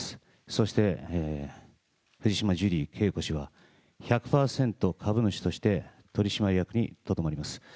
そして、藤島ジュリー景子氏は１００％株主として、取締役にとどまります。